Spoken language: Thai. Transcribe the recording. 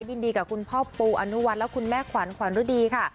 ยินดีกับคุณพ่อปูอานุวัลและคุณแม่ขวานขวานรุดีค่ะ